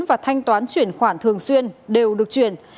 và thanh toán chuyển khoản thường xuyên đều được chuyển